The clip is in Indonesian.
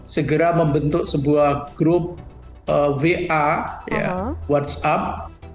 segera membentuk sebuah grup wa whatsapp